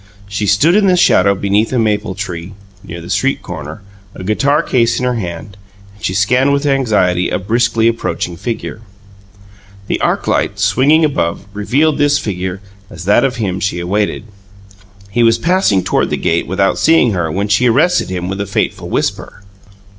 She stood in the shadow beneath a maple tree near the street corner, a guitar case in her hand; and she scanned with anxiety a briskly approaching figure. The arc light, swinging above, revealed this figure as that of him she awaited. He was passing toward the gate without seeing her, when she arrested him with a fateful whisper.